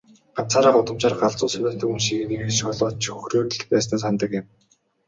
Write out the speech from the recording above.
Ганцаараа гудамжаар галзуу солиотой хүн шиг инээгээд, шоолоод ч хөхрөөд л байснаа санадаг юм.